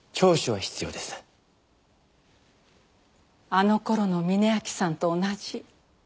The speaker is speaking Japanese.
あの頃の峯秋さんと同じ。